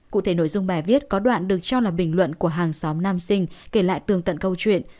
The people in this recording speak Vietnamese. cụ thể nội dung bài viết có đoạn được cho là bình luận của hàng xóm nam sinh kể lại tường tận câu chuyện